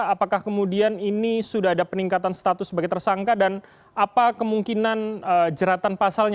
apakah kemudian ini sudah ada peningkatan status sebagai tersangka dan apa kemungkinan jeratan pasalnya